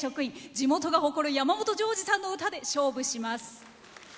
地元が誇る山本譲二さんの歌で勝負します。